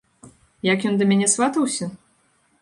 Як ён да мяне сватаўся?